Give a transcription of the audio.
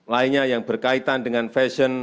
lainnya yang berkaitan dengan fashion